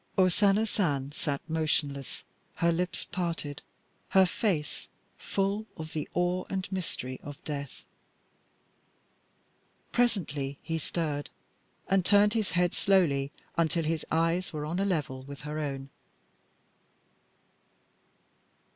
O Sana San sat motionless, her lips parted, her face full of the awe and mystery of death. Presently he stirred and turned his head slowly until his eyes were on a level with her own.